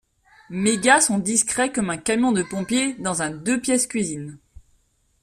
Mes gars sont discrets comme un camion de pompiers dans un deux-pièces cuisine.